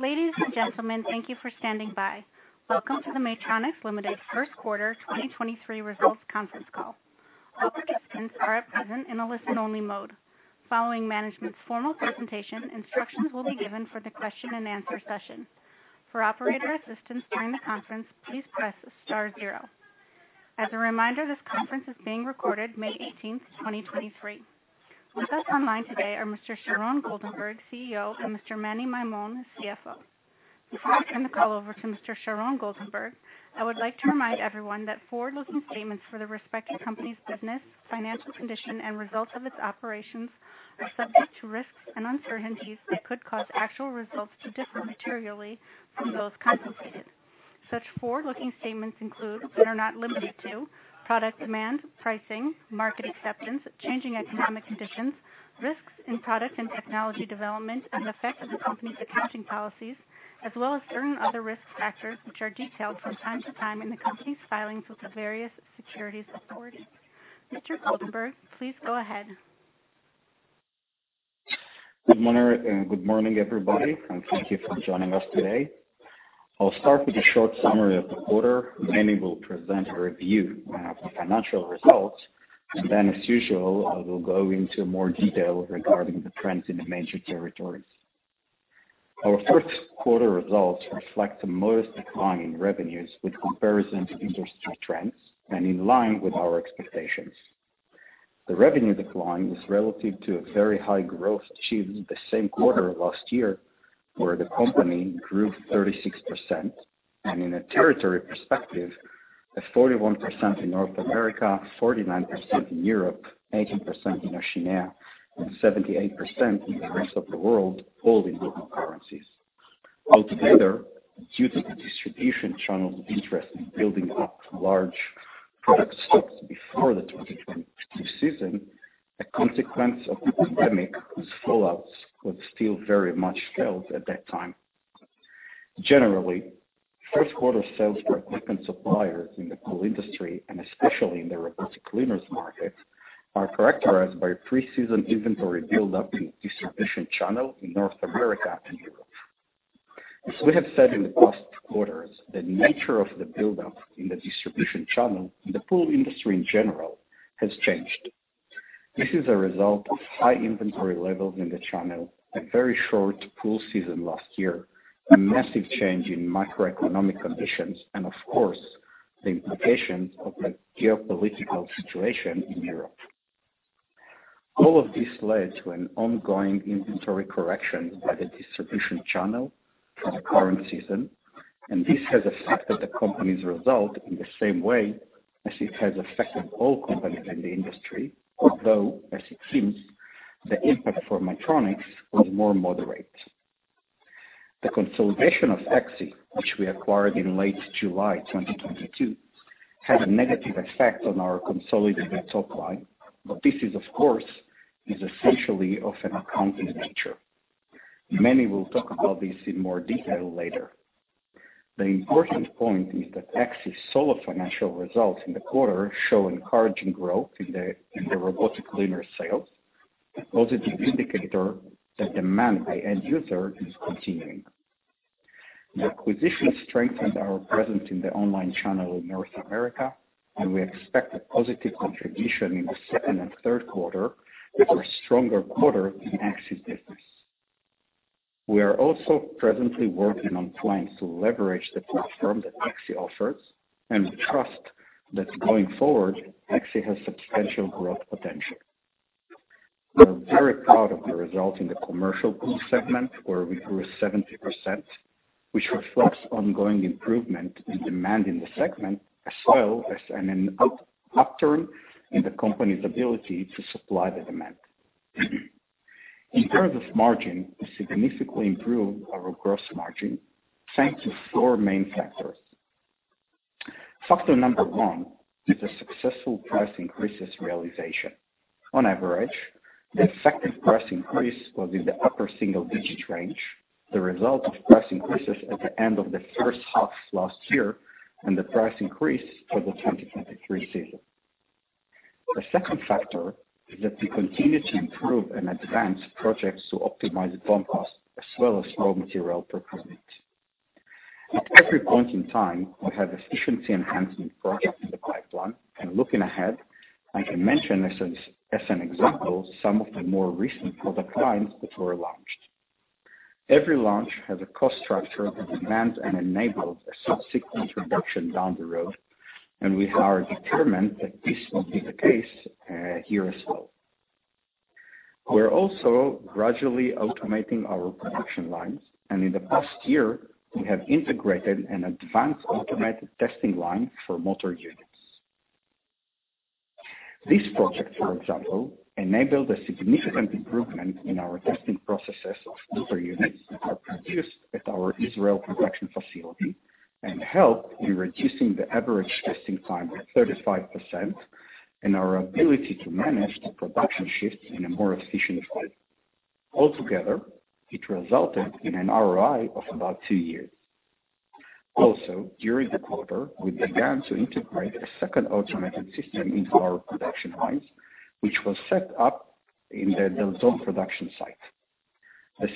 Ladies and gentlemen, thank you for standing by. Welcome to the Maytronics Ltd. First Quarter 2023 Results Conference Call. All participants are at present in a listen-only mode. Following management's formal presentation, instructions will be given for the question-and-answer session. For operator assistance during the conference, please press star zero. As a reminder, this conference is being recorded May 18th, 2023. With us online today are Mr. Sharon Goldenberg, CEO, and Mr. Meni Maymon, CFO. Before I turn the call over to Mr. Sharon Goldenberg, I would like to remind everyone that forward-looking statements for the respective company's business, financial condition and results of its operations are subject to risks and uncertainties that could cause actual results to differ materially from those contemplated. Such forward-looking statements include, but are not limited to, product demand, pricing, market acceptance, changing economic conditions, risks in product and technology development, and the effect of the company's accounting policies, as well as certain other risk factors, which are detailed from time to time in the company's filings with the various securities authorities. Mr. Goldenberg, please go ahead. Good morning, everybody, and thank you for joining us today. I'll start with a short summary of the quarter. Meni will present a review of the financial results, and then, as usual, I will go into more detail regarding the trends in the major territories. Our first quarter results reflect a modest decline in revenues with comparison to industry trends and in line with our expectations. The revenue decline is relative to a very high growth achieved the same quarter last year, where the company grew 36%. In a territory perspective, a 41% in North America, 49% in Europe, 18% in Oceania, and 78% in the rest of the world, all in local currencies. Altogether, due to the distribution channel's interest in building up large product stocks before the 2022 season, a consequence of the pandemic, whose fallouts were still very much felt at that time. Generally, first quarter sales for equipment suppliers in the pool industry, and especially in the robotic cleaners market, are characterized by pre-season inventory buildup in distribution channel in North America and Europe. As we have said in the past quarters, the nature of the buildup in the distribution channel in the pool industry in general has changed. This is a result of high inventory levels in the channel, a very short pool season last year, a massive change in macroeconomic conditions, and of course, the implications of the geopolitical situation in Europe. All of this led to an ongoing inventory correction by the distribution channel for the current season. This has affected the company's result in the same way as it has affected all companies in the industry. As it seems, the impact for Maytronics was more moderate. The consolidation of Axi, which we acquired in late July 2022, had a negative effect on our consolidated top line. This is, of course, is essentially of an accounting nature. Meni will talk about this in more detail later. The important point is that Axi's solo financial results in the quarter show encouraging growth in the robotic cleaner sales, a positive indicator that demand by end user is continuing. The acquisition strengthened our presence in the online channel in North America. We expect a positive contribution in the second and third quarter with a stronger quarter in Axi business. We are also presently working on plans to leverage the platform that Axi offers. We trust that going forward, Axi has substantial growth potential. We're very proud of the result in the commercial pool segment, where we grew 70%, which reflects ongoing improvement in demand in the segment, as well as an upturn in the company's ability to supply the demand. Improvement of margin has significantly improved our gross margin, thanks to four main factors. Factor number one is the successful price increases realization. On average, the effective price increase was in the upper single-digit range, the result of price increases at the end of the first half last year and the price increase for the 2023 season. The second factor is that we continue to improve and advance projects to optimize the BOM cost, as well as raw material procurement. At every point in time, we have efficiency enhancement projects in the pipeline, and looking ahead, I can mention as an example some of the more recent product lines that were launched. Every launch has a cost structure that demands and enables a subsequent reduction down the road, and we are determined that this will be the case here as well. We're also gradually automating our production lines, and in the past year, we have integrated an advanced automated testing line for motor units. This project, for example, enabled a significant improvement in our testing processes of motor units that are produced at our Israel production facility and helped in reducing the average testing time by 35% and our ability to manage the production shifts in a more efficient way. Altogether, it resulted in an ROI of about two years. Also, during the quarter, we began to integrate a second automated system into our production lines, which was set up in the Dalton production site.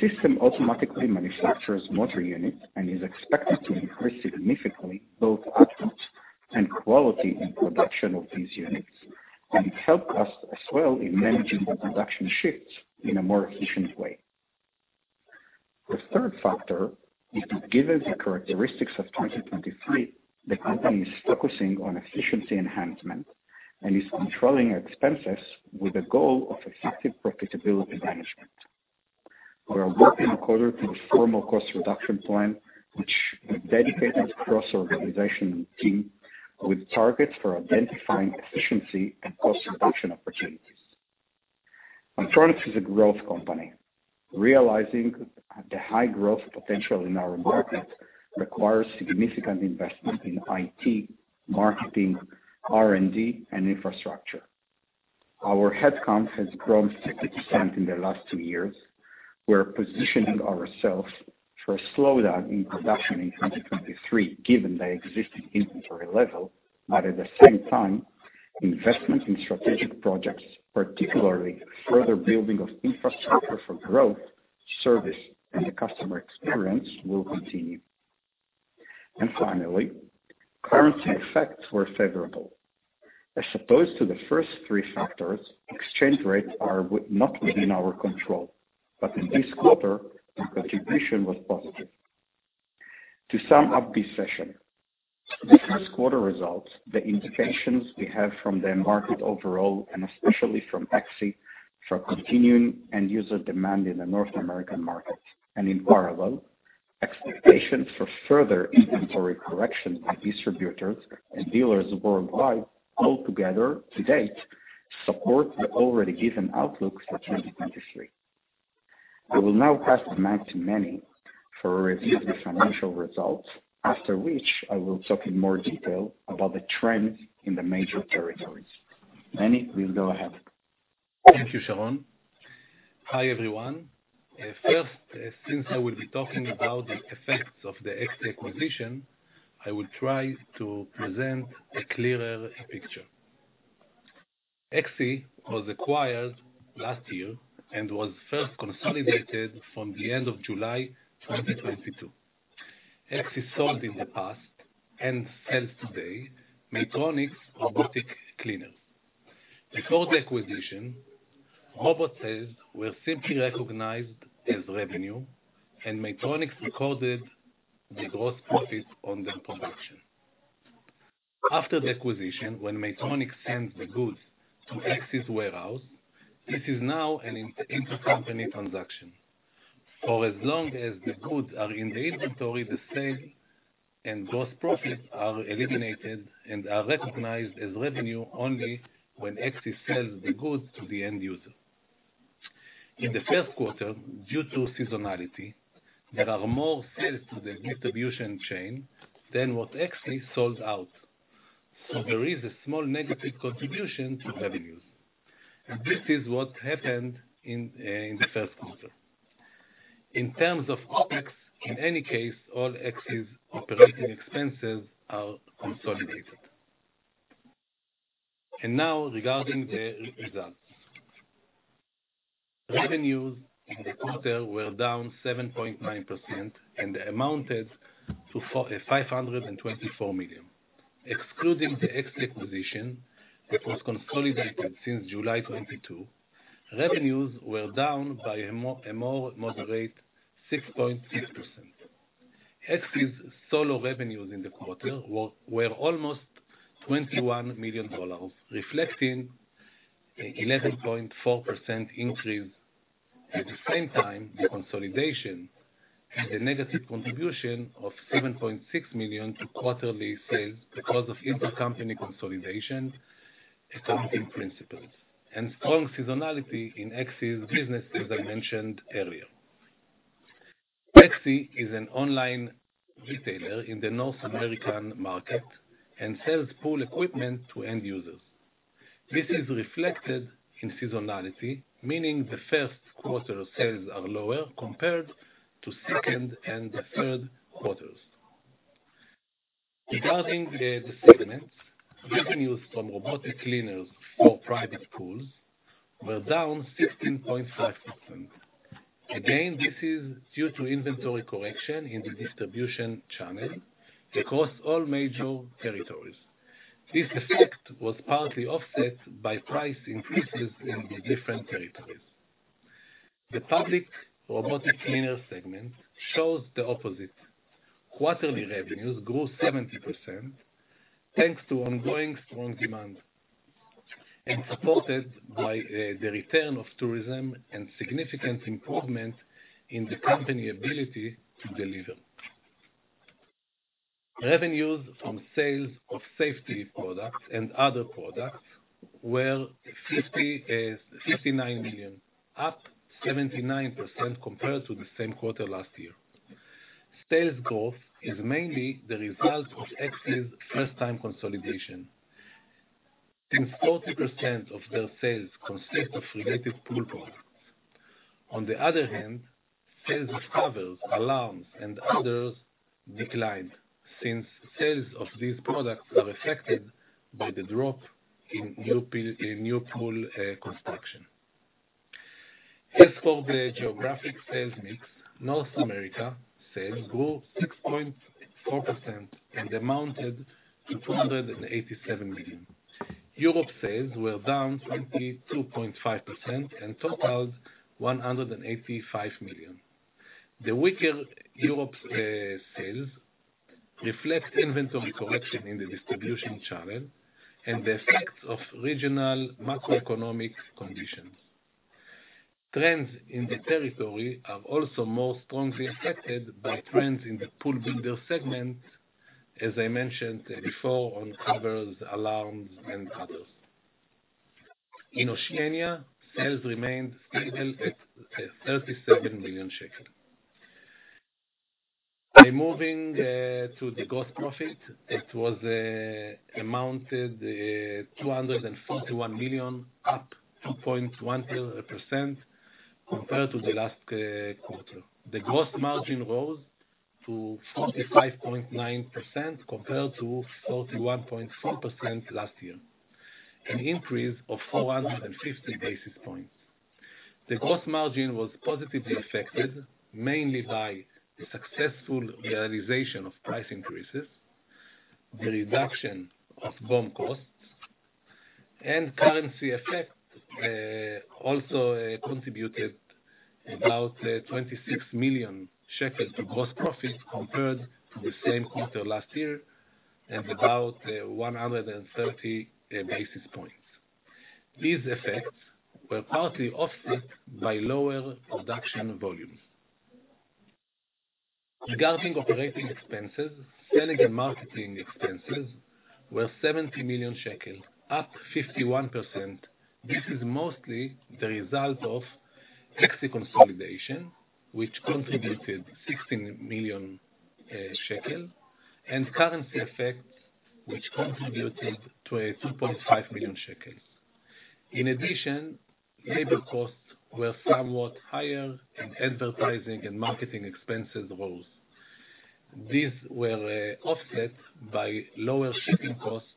The system automatically manufactures motor units and is expected to increase significantly both output and quality in production of these units, and help us as well in managing the production shifts in a more efficient way. The third factor is that given the characteristics of 2023, the company is focusing on efficiency enhancement and is controlling expenses with the goal of effective profitability management. We are working according to a formal cost reduction plan, which a dedicated cross-organizational team with targets for identifying efficiency and cost reduction opportunities. Maytronics is a growth company. Realizing the high growth potential in our market requires significant investment in IT, marketing, R&D, and infrastructure. Our head count has grown 60% in the last two years. We're positioning ourselves for a slowdown in production in 2023, given the existing inventory level. At the same time, investment in strategic projects, particularly further building of infrastructure for growth, service and the customer experience will continue. Finally, currency effects were favorable. As opposed to the first first factors, exchange rates are not within our control, but in this quarter, the contribution was positive. To sum up this session, the first quarter results, the indications we have from the market overall, and especially from Axi, show continuing end user demand in the North American market. In parallel, expectations for further inventory correction by distributors and dealers worldwide altogether to date support the already given outlook for 2023. I will now pass the mic to Meni for a review of the financial results, after which I will talk in more detail about the trends in the major territories. Manny, please go ahead. Thank you, Sharon. Hi, everyone. First, since I will be talking about the effects of the Axi acquisition, I will try to present a clearer picture. Axi was acquired last year and was first consolidated from the end of July 2022. Axi sold in the past and sells today Maytronics robotic cleaners. Before the acquisition, robotic were simply recognized as revenue, and Maytronics recorded the gross profit on their production. After the acquisition, when Maytronics sends the goods to Axi's warehouse, this is now an intercompany transaction. For as long as the goods are in the inventory, the sale and gross profits are eliminated and are recognized as revenue only when Axi sells the goods to the end user. In the first quarter, due to seasonality, there are more sales to the distribution chain than what Axi sold out, so there is a small negative contribution to revenues, and this is what happened in the first quarter. In terms of OpEx, in any case, all Axi's operating expenses are consolidated. Now regarding the results. Revenues in the quarter were down 7.9% and amounted to $524 million. Excluding the Axi acquisition, that was consolidated since July 2022, revenues were down by a more moderate 6.6%. Axi's solo revenues in the quarter were almost $21 million, reflecting 11.4% increase. At the same time, the consolidation and the negative contribution of 7.6 million to quarterly sales because of intercompany consolidation, accounting principles, and strong seasonality in Axi's business, as I mentioned earlier. Axi is an online retailer in the North American market and sells pool equipment to end users. This is reflected in seasonality, meaning the first quarter sales are lower compared to second and the third quarters. Regarding the segments, revenues from robotic cleaners for private pools were down 16.5%. Again, this is due to inventory correction in the distribution channel across all major territories. This effect was partly offset by price increases in the different territories. The public robotic cleaner segment shows the opposite. Quarterly revenues grew 70% thanks to ongoing strong demand, and supported by the return of tourism and significant improvement in the company ability to deliver. Revenues from sales of safety products and other products were 59 million, up 79% compared to the same quarter last year. Sales growth is mainly the result of Axi's first time consolidation. 40% of their sales consist of related pool products. On the other hand, sales of covers, alarms, and others declined, since sales of these products are affected by the drop in new pool construction. As for the geographic sales mix, North America sales grew 6.4% and amounted to 287 million. Europe sales were down 22.5% and totaled 185 million. The weaker Europe sales reflect inventory correction in the distribution channel and the effects of regional macroeconomic conditions. Trends in the territory are also more strongly affected by trends in the pool builder segment, as I mentioned before, on covers, alarms, and others. In Oceania, sales remained stable at ILS 37 million. By moving to the gross profit, it amounted 241 million, up 2.1% compared to the last quarter. The gross margin rose to 45.9% compared to 41.4% last year, an increase of 450 basis points. The gross margin was positively affected mainly by the successful realization of price increases, the reduction of BOM costs, and currency effect also contributed about 26 million shekels of gross profit compared to the same quarter last year and about 130 basis points. These effects were partly offset by lower production volumes. Regarding operating expenses, selling and marketing expenses were 70 million shekel, up 51%. This is mostly the result of Axi consolidation, which contributed 16 million shekel, and currency effects, which contributed to 2.5 million shekels. In addition, labor costs were somewhat higher, and advertising and marketing expenses rose. These were offset by lower shipping costs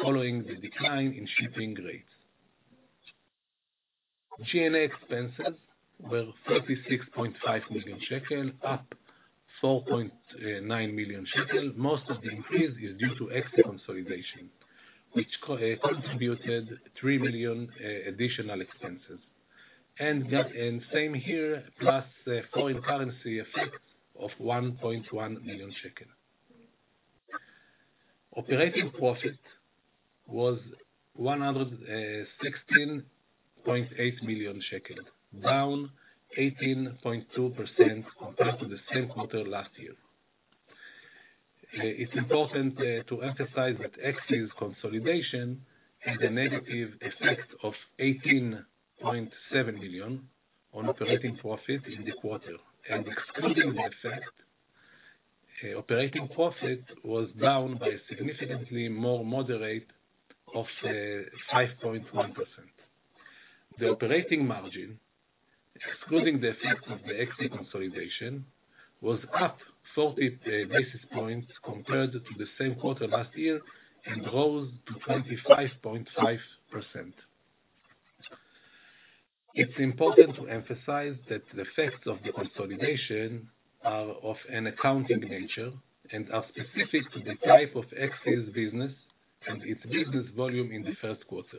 following the decline in shipping rates. G&A expenses were 36.5 million shekel, up 4.9 million shekel. Most of the increase is due to Axi consolidation, which contributed 3 million additional expenses. Same here, plus the foreign currency effect of 1.1 million shekel. Operating profit was 116.8 million shekel, down 18.2% compared to the same quarter last year. It's important to emphasize that Axi's consolidation had a negative effect of 18.7 million on operating profit in the quarter. Excluding the effect, operating profit was down by a significantly more moderate of 5.1%. The operating margin, excluding the effect of the Axi consolidation, was up 40 basis points compared to the same quarter last year and rose to 25.5%. It's important to emphasize that the effects of the consolidation are of an accounting nature and are specific to the type of Axi's business and its business volume in the first quarter.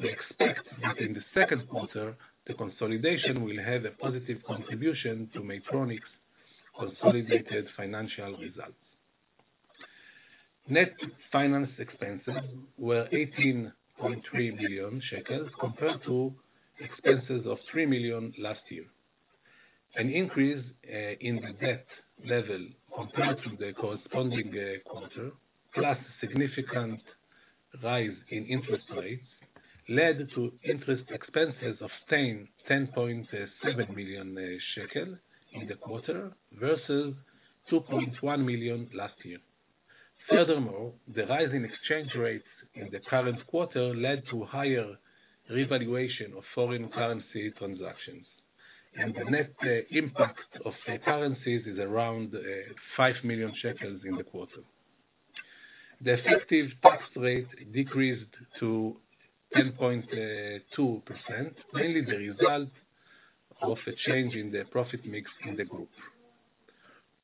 We expect that in the second quarter, the consolidation will have a positive contribution to Maytronics' consolidated financial results. Net finance expenses were 18.3 million shekels compared to expenses of 3 million last year. An increase in the debt level compared to the corresponding quarter, plus significant rise in interest rates, led to interest expenses of 10.7 million shekel in the quarter versus 2.1 million last year. The rise in exchange rates in the current quarter led to higher revaluation of foreign currency transactions, and the net impact of currencies is around 5 million shekels in the quarter. The effective tax rate decreased to 10.2%, mainly the result of a change in the profit mix in the group.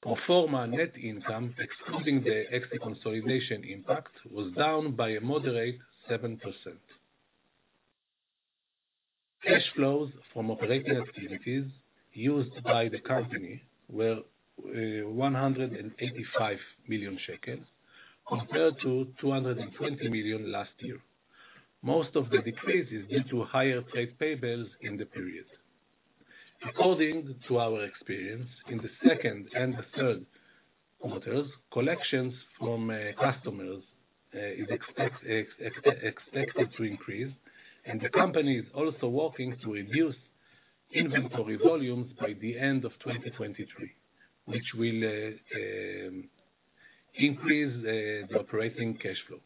Pro forma net income, excluding the Axi consolidation impact, was down by a moderate 7%. Cash flows from operating activities used by the company were 185 million shekel compared to 220 million last year. Most of the decrease is due to higher trade payables in the period. According to our experience, in the second and the third quarters, collections from customers is expected to increase. The company is also working to reduce inventory volumes by the end of 2023, which will increase the operating cash flow.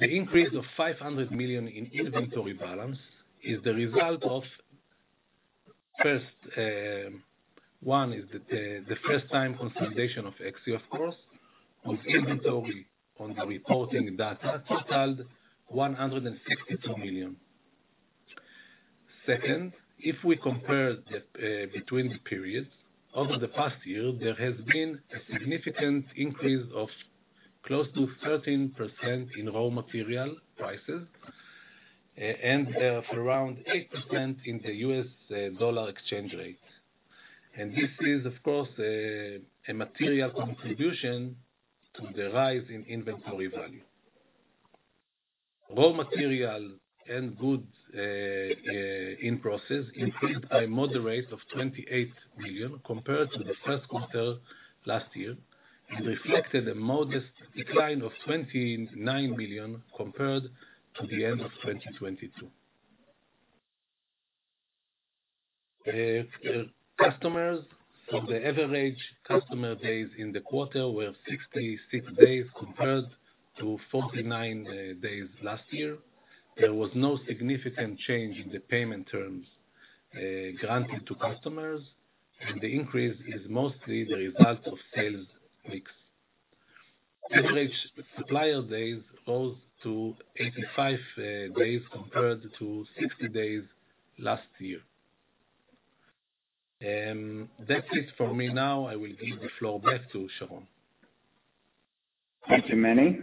The increase of 500 million in inventory balance is the result of, first, one is the first time consolidation of Axi, of course, on inventory, on the reporting that totaled 162 million. Second, if we compare the between periods, over the past year, there has been a significant increase of close to 13% in raw material prices and of around 8% in the US dollar exchange rate. This is of course, a material contribution to the rise in inventory value. Raw material and goods in process increased by moderate of 28 million compared to the first quarter last year, and reflected a modest decline of 29 million compared to the end of 2022. Customers, from the average customer days in the quarter were 66 days compared to 49 days last year. There was no significant change in the payment terms granted to customers, and the increase is mostly the result of sales mix. Average supplier days rose to 85 days compared to 60 days last year. That's it for me now. I will give the floor back to Sharon. Thank you, Meni.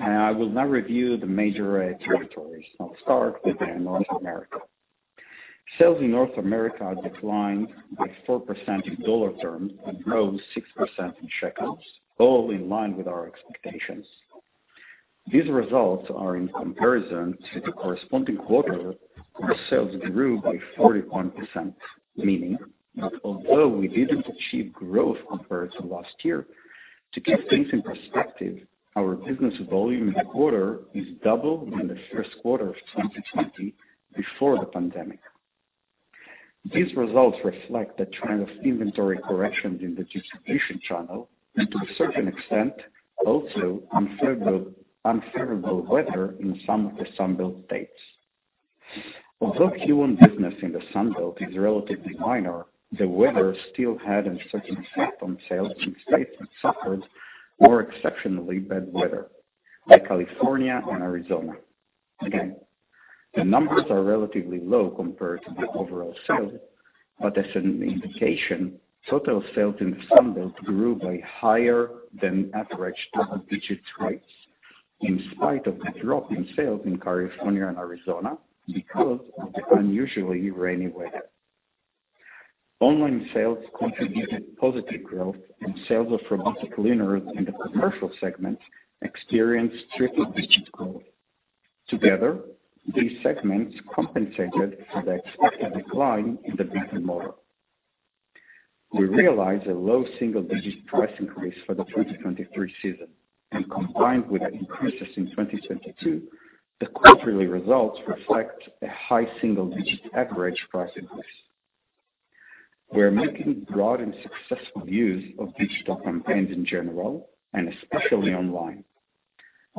I will now review the major territories. I'll start with North America. Sales in North America declined by 4% in dollar terms and rose 6% in ILS, all in line with our expectations. These results are in comparison to the corresponding quarter where sales grew by 41%. Meaning that although we didn't achieve growth compared to last year, to keep things in perspective, our business volume in the quarter is double than the first quarter of 2020 before the pandemic. These results reflect the trend of inventory corrections in the distribution channel, and to a certain extent, also unfavorable weather in some of the Sun Belt states. Although human business in the Sun Belt is relatively minor, the weather still had an effect on sales in states that suffered more exceptionally bad weather, like California and Arizona. The numbers are relatively low compared to the overall sales, but as an indication, total sales in the Sun Belt grew by higher than average double-digit rates in spite of the drop in sales in California and Arizona because of the unusually rainy weather. Online sales contributed positive growth, sales of robotic cleaners in the commercial segment experienced triple-digit growth. Together, these segments compensated for the expected decline in the entry model. We realized a low single-digit price increase for the 2023 season, combined with increases in 2022, the quarterly results reflect a high single-digit average price increase. We're making broad and successful use of digital campaigns in general, and especially online.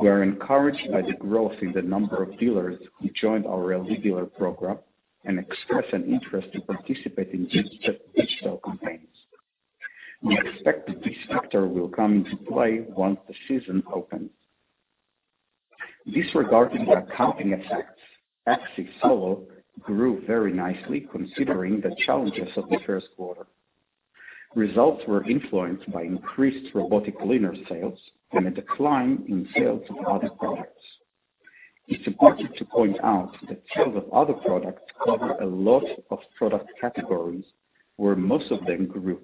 We are encouraged by the growth in the number of dealers who joined our dealer program and expressed an interest to participate in digital campaigns. We expect that this factor will come into play once the season opens. Disregarding the accounting effects, Axi Solo grew very nicely considering the challenges of the first quarter. Results were influenced by increased robotic cleaner sales and a decline in sales of other products. It's important to point out that sales of other products cover a lot of product categories, where most of them grew.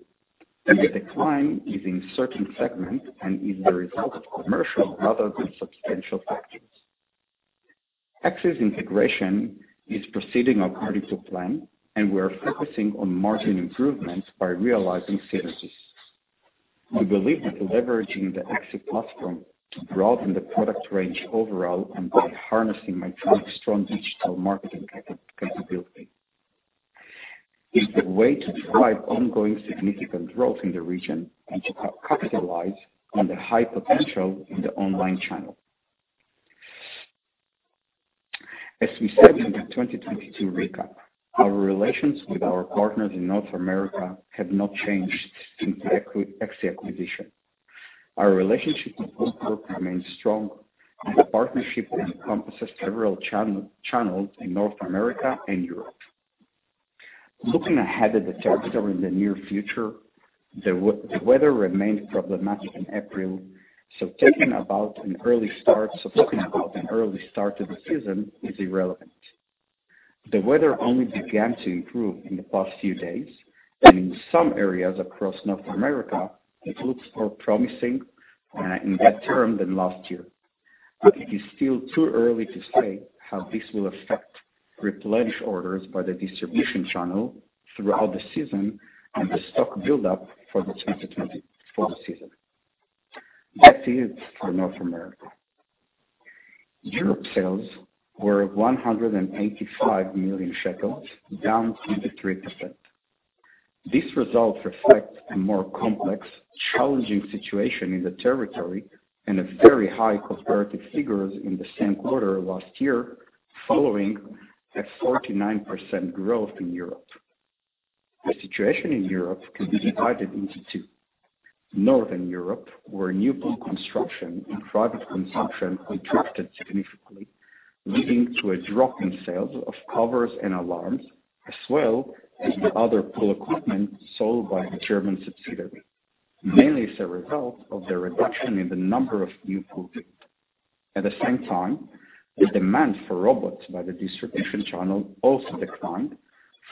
The decline is in certain segments and is the result of commercial rather than substantial factors. Axi's integration is proceeding according to plan, and we are focusing on margin improvements by realizing synergies. We believe that leveraging the Axi platform to broaden the product range overall and by harnessing Maytronics' strong digital marketing capability is the way to drive ongoing significant growth in the region and to capitalize on the high potential in the online channel. As we said in the 2022 recap, our relations with our partners in North America have not changed since Axi acquisition. Our relationship with this group remains strong, the partnership encompasses several channels in North America and Europe. Looking ahead at the territory in the near future, the weather remained problematic in April, talking about an early start to the season is irrelevant. The weather only began to improve in the past few days, in some areas across North America, it looks more promising in that term than last year. It is still too early to say how this will affect replenish orders by the distribution channel throughout the season and the stock build-up for the season. That's it for North America. Europe sales were 185 million shekels, down 23%. This result reflects a more complex, challenging situation in the territory and a very high comparative figures in the same quarter last year, following a 49% growth in Europe. The situation in Europe can be divided into two. Northern Europe, where new pool construction and private consumption contracted significantly, leading to a drop in sales of covers and alarms, as well as the other pool equipment sold by the German subsidiary, mainly as a result of the reduction in the number of new pool. At the same time, the demand for robots by the distribution channel also declined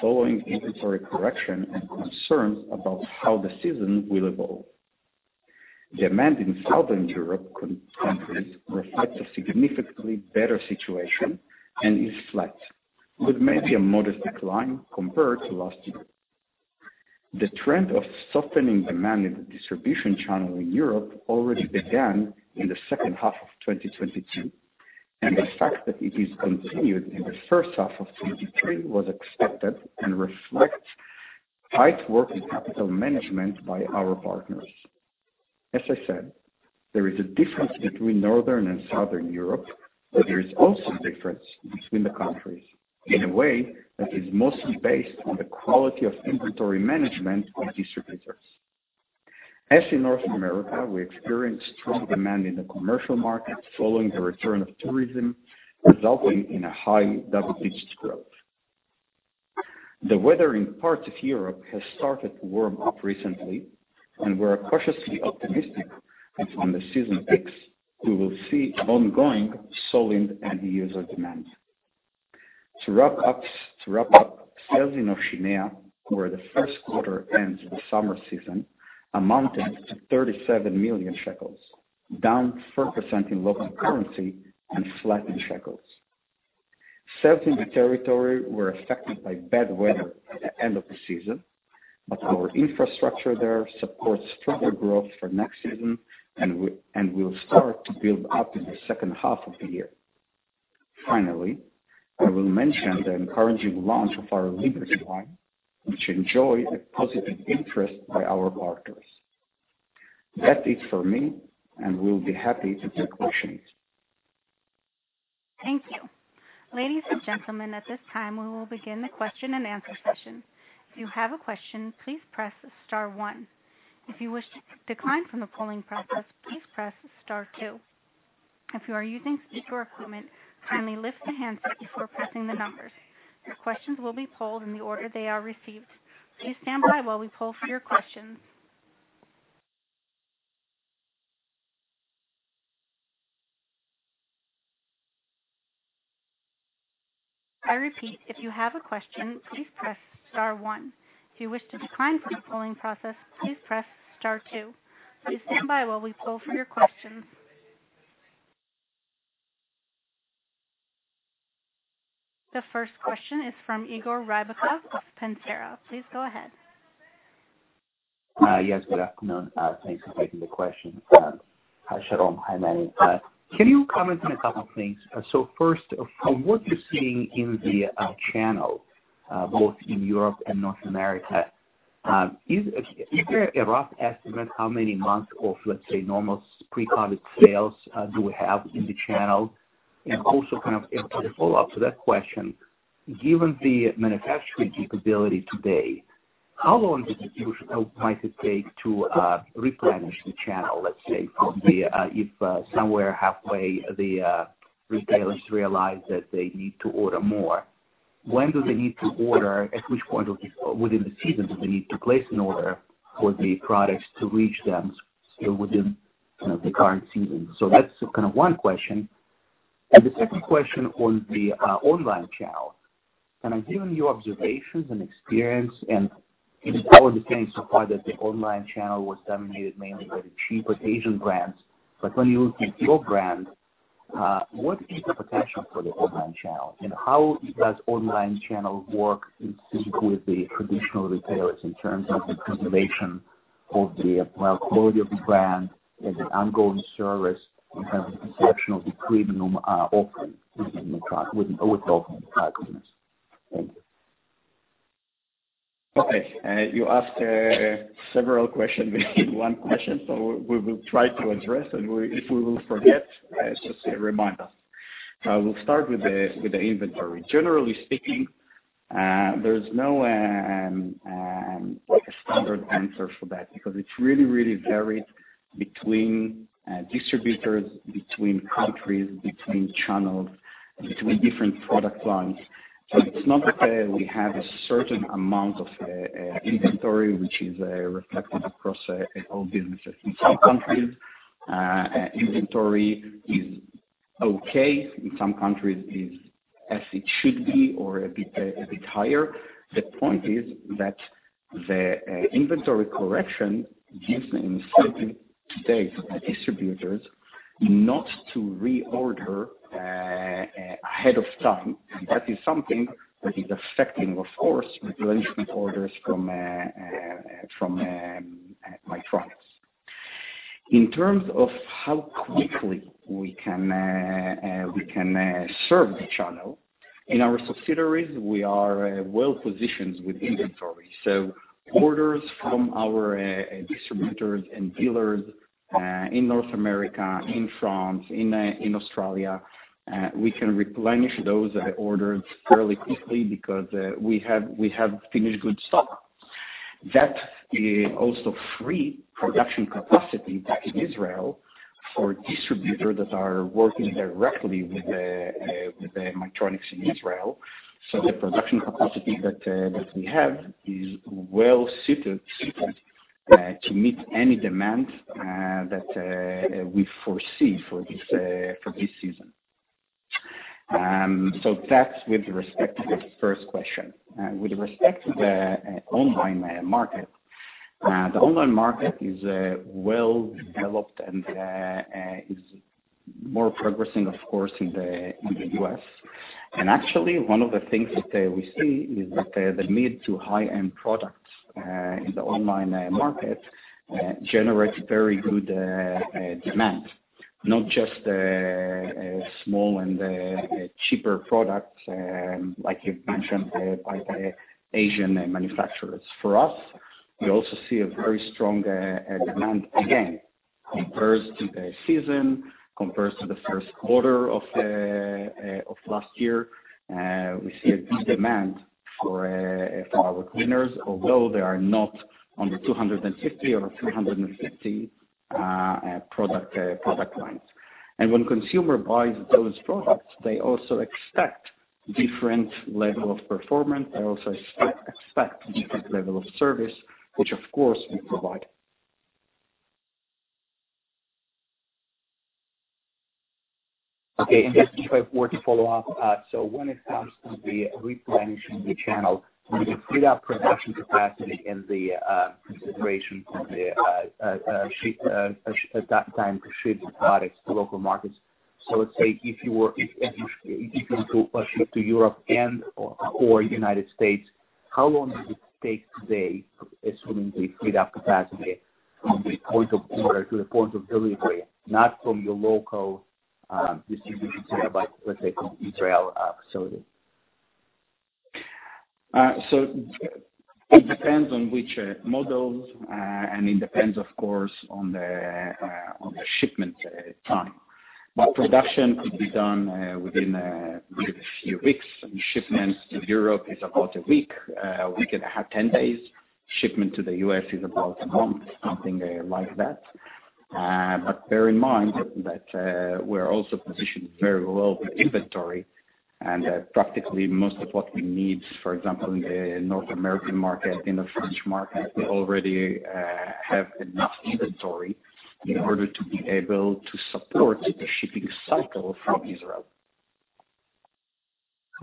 following inventory correction and concerns about how the season will evolve. Demand in Southern Europe countries reflects a significantly better situation and is flat, with maybe a modest decline compared to last year. The trend of softening demand in the distribution channel in Europe already began in the second half of 2022. The fact that it is continued in the first half of 2023 was expected and reflects tight working capital management by our partners. As I said, there is a difference between Northern and Southern Europe. There is also a difference between the countries in a way that is mostly based on the quality of inventory management of distributors. As in North America, we experienced strong demand in the commercial market following the return of tourism, resulting in a high double-digit growth. The weather in parts of Europe has started to warm up recently. We're cautiously optimistic that on the season peaks, we will see ongoing solid end user demand. To wrap up, sales in Oceania, where the first quarter ends the summer season, amounted to 37 million shekels, down 4% in local currency and flat in shekels. Sales in the territory were affected by bad weather at the end of the season, but our infrastructure there supports stronger growth for next season and will start to build up in the second half of the year. Finally, I will mention the encouraging launch of our LIBERTY line, which enjoy a positive interest by our partners. That is for me, and we'll be happy to take questions. Thank you. Ladies and gentlemen, at this time, we will begin the question-and-answer session. If you have a question, please press star one. If you wish to decline from the polling process, please press star two. If you are using speaker equipment, kindly lift the handset before pressing the numbers. Your questions will be polled in the order they are received. Please stand by while we poll for your questions. I repeat, if you have a question, please press star one. If you wish to decline from the polling process, please press star two. Please stand by while we poll for your questions. The first question is from Igor Rybakov of Prytek. Please go ahead. Yes, good afternoon. Thanks for taking the question. Hi, Sharon. Hi, Manny. Can you comment on a couple of things? First, from what you're seeing in the channel, both in Europe and North America, is there a rough estimate how many months of, let's say, normal pre-COVID sales do we have in the channel? Also kind of as a follow-up to that question, given the manufacturing capability today, how long might it take to replenish the channel, let's say, from the if somewhere halfway the retailers realize that they need to order more? When do they need to order? At which point within the season do they need to place an order for the products to reach them still within, you know, the current season? That's kind of one question. The second question on the online channel, given your observations and experience, and it's probably the case so far that the online channel was dominated mainly by the cheaper Asian brands. When you look at your brand, what is the potential for the online channel, and how does online channel work in sync with the traditional retailers in terms of the preservation of the, well, quality of the brand and the ongoing service in terms of perception of the premium offering within the offering partners? Thank you. Okay. You asked several question within one question, we will try to address, and if we will forget, just remind us. We'll start with the inventory. Generally speaking, there's no like a standard answer for that because it's really varied between distributors, between countries, between channels, between different product lines. It's not that we have a certain amount of inventory which is reflected across all businesses. In some countries, inventory is okay. In some countries is as it should be or a bit higher. The point is that the inventory correction gives the United States distributors not to reorder ahead of time. That is something that is affecting, of course, replenishment orders from Maytronics. In terms of how quickly we can, we can serve the channel, in our subsidiaries we are well-positioned with inventory. Orders from our distributors and dealers, in North America, in France, in Australia, we can replenish those orders fairly quickly because we have finished good stock. That also free production capacity back in Israel for distributors that are working directly with the Maytronics in Israel. The production capacity that we have is well-suited to meet any demand that we foresee for this for this season. That's with respect to the first question. With respect to the online market, the online market is well developed and is more progressing, of course, in the US. Actually, one of the things that we see is that the mid to high-end products in the online market generates very good demand. Not just small and cheaper products, like you've mentioned, by the Asian manufacturers. For us, we also see a very strong demand, again, compares to the season, compares to the first quarter of last year. We see a good demand for our cleaners, although they are not on the $250 or $350 product lines. When consumer buys those products, they also expect different level of performance. They also expect different level of service, which of course we provide. Okay. Just a quick word to follow up. When it comes to the replenishing the channel, when you freed up production capacity in the consideration from the ship at that time to ship the products to local markets. Let's say If you go a ship to Europe and/or United States, how long does it take today, assuming they freed up capacity from the point of order to the point of delivery, not from your local distribution center, but let's say from Israel facility? It depends on which models, and it depends of course on the shipment time. Production could be done within a few weeks, and shipments to Europe is about a week and a half, 10 days. Shipment to the U.S. is about a month, something like that. Bear in mind that we're also positioned very well with inventory and practically most of what we need, for example, in the North American market, in the French market, we already have enough inventory in order to be able to support the shipping cycle from Israel.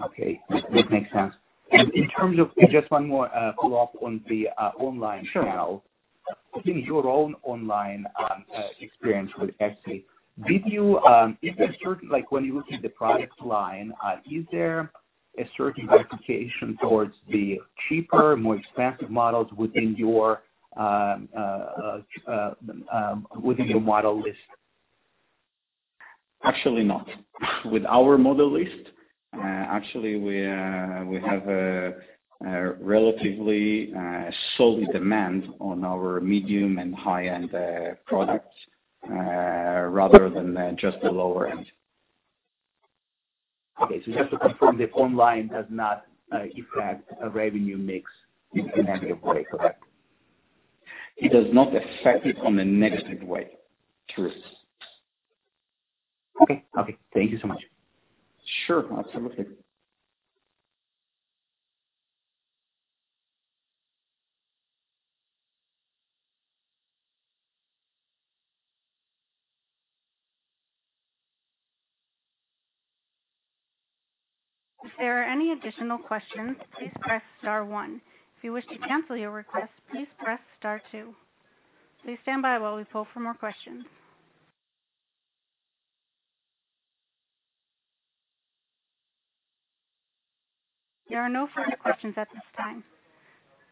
Okay. That makes sense. In terms of... Just one more, follow-up on the online channel. Sure. In your own online experience with Axi, did you, is there Like when you look at the product line, is there a certain bifurcation towards the cheaper, more expensive models within your within your model list? Actually, not. With our model list, actually we have a relatively solid demand on our medium and high-end products rather than just the lower end. Okay. just to confirm, the online does not impact revenue mix in a negative way. Correct? It does not affect it on a negative way. True. Okay. Okay. Thank you so much. Sure. Absolutely. If there are any additional questions, please press star one. If you wish to cancel your request, please press star two. Please stand by while we pull for more questions. There are no further questions at this time.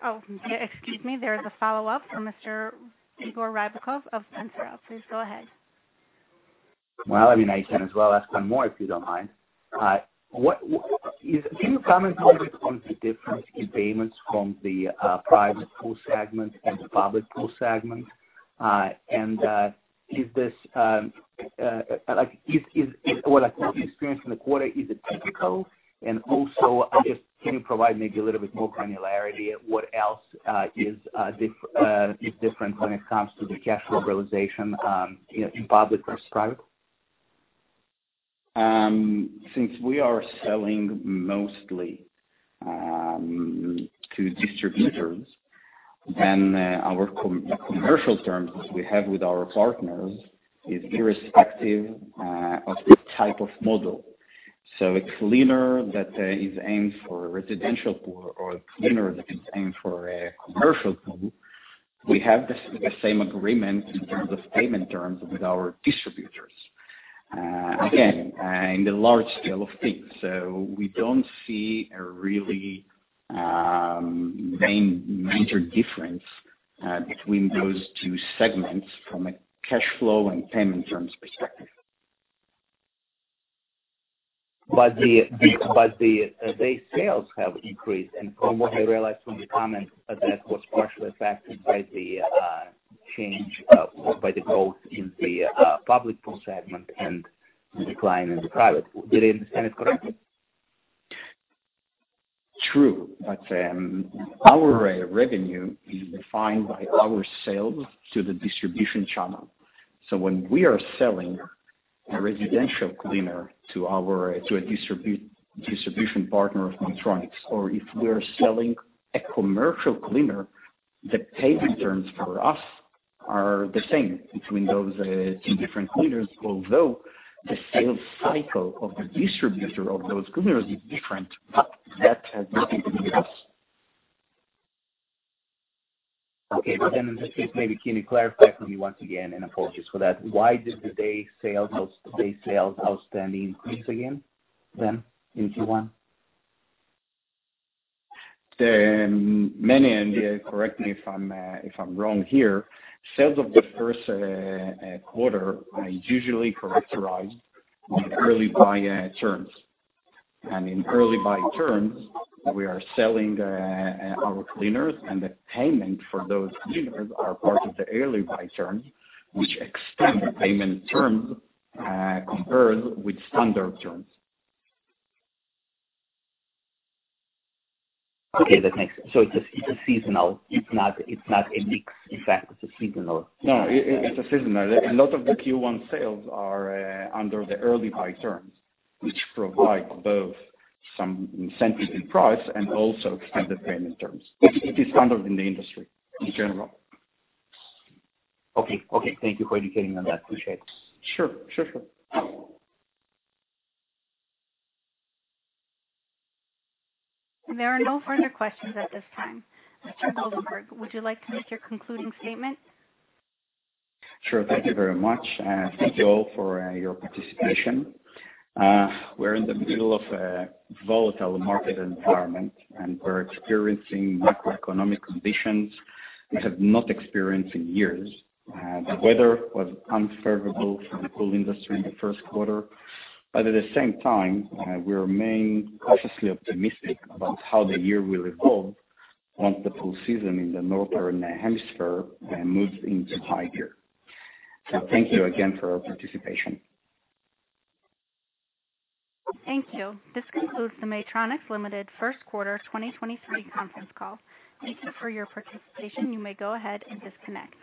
Oh, excuse me. There is a follow-up from Mr. Igor Rybakov of Prytek. Please go ahead. Well, I mean, I can as well ask one more, if you don't mind. Can you comment a little bit on the difference in payments from the private pool segment and the public pool segment? Is what you experienced in the quarter, is it typical? Also, I guess, can you provide maybe a little bit more granularity at what else is different when it comes to the cash flow realization in public versus private? Since we are selling mostly to distributors, then our commercial terms we have with our partners is irrespective of the type of model. A cleaner that is aimed for residential pool or a cleaner that is aimed for a commercial pool, we have the same agreement in terms of payment terms with our distributors, again, in the large scale of things. We don't see a really main major difference between those two segments from a cash flow and payment terms perspective. The sales have increased and from what I realized from the comments that was partially affected by the change or by the growth in the public pool segment and the decline in the private. Did I understand it correctly? True. Our revenue is defined by our sales to the distribution channel. When we are selling a residential cleaner to our, to a distribution partner of Maytronics', or if we are selling a commercial cleaner, the payment terms for us are the same between those, two different cleaners. Although the sales cycle of the distributor of those cleaners is different, that has nothing to do with us. Okay. In this case, maybe can you clarify for me once again, and apologies for that, why did the day sales, those days sales outstanding increase again then in Q1? Manny, correct me if I'm wrong here. Sales of the first quarter are usually characterized on early buy terms. In early buy terms, we are selling our cleaners, and the payment for those cleaners are part of the early buy terms, which extend the payment terms, compared with standard terms. Okay. It's a seasonal, it's not a mixed effect, it's a seasonal. No, it's a seasonal. A lot of the Q1 sales are under the early buy terms, which provide both some incentive in price and also extended payment terms. It is standard in the industry in general. Okay. Okay. Thank you for educating on that. Appreciate it. Sure. Sure. Sure. There are no further questions at this time. Mr. Goldenberg, would you like to make your concluding statement? Sure. Thank you very much, thank you all for your participation. We're in the middle of a volatile market environment, and we're experiencing macroeconomic conditions we have not experienced in years. The weather was unfavorable for the pool industry in the first quarter. At the same time, we remain cautiously optimistic about how the year will evolve once the pool season in the northern hemisphere moves into high gear. Thank you again for your participation. Thank you. This concludes the Maytronics Limited first quarter 2023 conference call. Thank you for your participation. You may go ahead and disconnect.